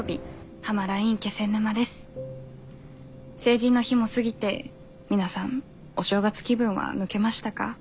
成人の日も過ぎて皆さんお正月気分は抜けましたか？